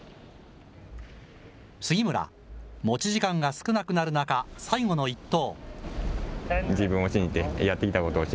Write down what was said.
杉村、持ち時間が少なくなる中、最後の一投。